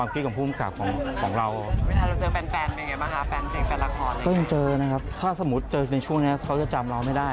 จริงแรกที่คิดได้คืออยากเป็นอะไร